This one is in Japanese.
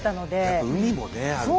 やっぱ海もねあるから。